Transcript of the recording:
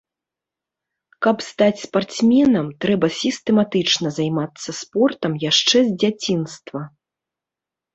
Каб стаць спартсменам, трэба сістэматычна займацца спортам яшчэ з дзяцінства.